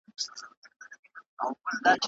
ولي د هنرمندانو ازادي د ټولني روح دی؟